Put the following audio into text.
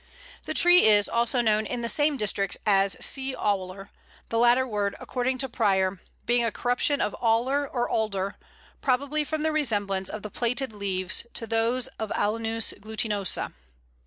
The tree is also known in the same districts as Sea Owler, the latter word, according to Prior, being a corruption of Aller or Alder, probably from the resemblance of the plaited leaves to those of Alnus glutinosa.